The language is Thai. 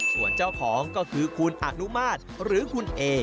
ส่วนเจ้าของก็คือคุณอนุมาตรหรือคุณเอ